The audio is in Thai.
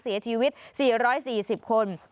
เสียชีวิต๔๔๐คน